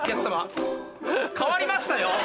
かわりましたよ